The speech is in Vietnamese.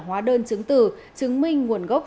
hóa đơn chứng tử chứng minh nguồn gốc